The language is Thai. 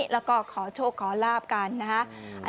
แล้วก็ขอโชคขอลาบกันนะฮะ